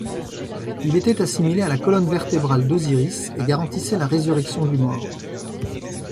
Il était assimilé à la colonne vertébrale d'Osiris et garantissait la résurrection du mort.